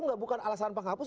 enggak bukan alasan penghapus